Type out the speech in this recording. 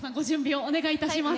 はいお願いします。